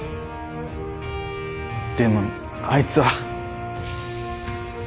でもあいつは。